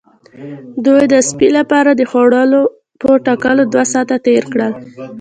دوی د سپي لپاره د خوړو په ټاکلو دوه ساعته تیر کړل